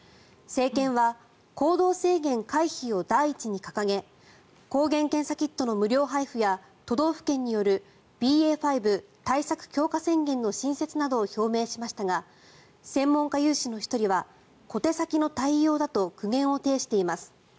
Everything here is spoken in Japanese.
政権は行動制限回避を第一に掲げ抗原検査キットの無料配布や都道府県によるＢＡ．５対策強化宣言の新設などを表明しましたが専門家有志の１人は小手先の対応だと苦言を呈しています。